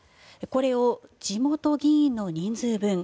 これを地元議員の人数分